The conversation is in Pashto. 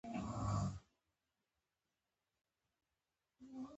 د وېښتیانو نرموالی ښکلا زیاتوي.